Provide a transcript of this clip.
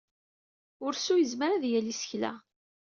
Ursu yezmer ad yaley isekla.